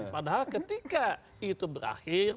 padahal ketika itu berakhir